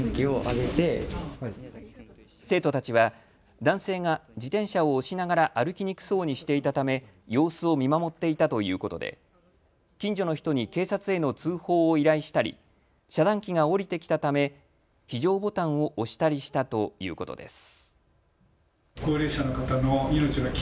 生徒たちは男性が自転車を押しながら歩きにくそうにしていたため様子を見守っていたということで近所の人に警察への通報を依頼したり遮断機が下りてきたため非常ボタンを押したりしたということです。